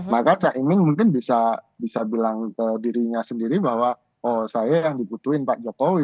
maka caimin mungkin bisa bilang ke dirinya sendiri bahwa oh saya yang diputuin pak jokowi